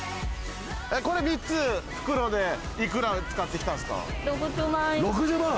これ３つ、袋で幾ら使ってきたんですか？